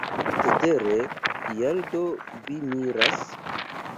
Cetere, kial do vi miras?